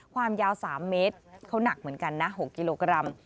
ความยาว๓เมตรเขาหนักเหมือนกันนะ๖กิโลกรัม